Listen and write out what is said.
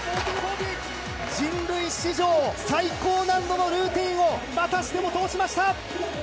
人類史上最高難度のルーティーンをまたしても通しました！